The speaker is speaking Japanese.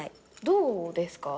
どうですか？